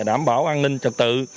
đảm bảo an ninh trật tự